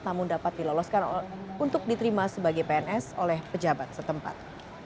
namun dapat diloloskan untuk diterima sebagai pns oleh pejabat setempat